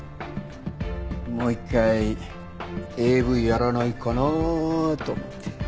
もう１回ＡＶやらないかな？と思って。